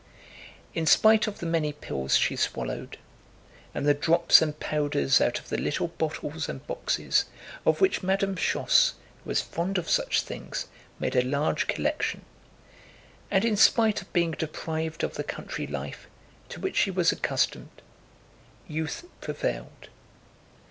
In spite of the many pills she swallowed and the drops and powders out of the little bottles and boxes of which Madame Schoss who was fond of such things made a large collection, and in spite of being deprived of the country life to which she was accustomed, youth prevailed.